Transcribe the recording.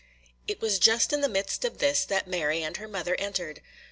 It was just in the midst of this that Mary and her mother entered.